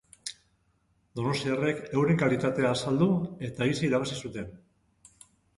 Donostiarrek euren kalitatea azaldu eta aise irabazi zuten.